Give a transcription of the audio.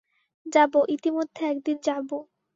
যাব, ইতিমধ্যে একদিন যাব।